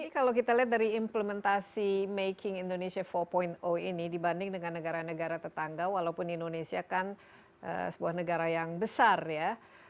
kalau kita lihat dari implementasi making indonesia empat ini dibanding dengan negara negara tetangga walaupun indonesia kan sebuah negara yang besar ya